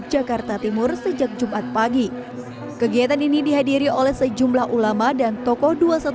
jakarta timur sejak jumat pagi kegiatan ini dihadiri oleh sejumlah ulama dan tokoh dua ratus dua belas